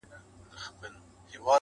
بد ښکارېږم چي وړوکی یم، سلطان یم!.